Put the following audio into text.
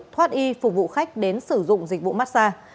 thoát y phục vụ khách đến sử dụng dịch vụ mát xa